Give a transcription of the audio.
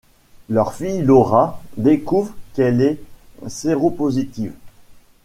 Leur fille Laura découvre qu'elle est séropositive.